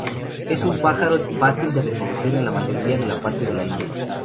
Es un pájaro fácil de reconocer en la mayor parte de la India.